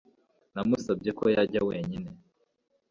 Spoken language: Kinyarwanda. namusabye ko yajya wenyine